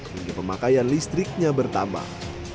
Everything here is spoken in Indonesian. menggunakan listriknya bertambah